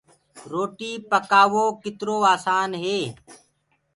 روٽيٚ پڪآوو ڪترو آسآني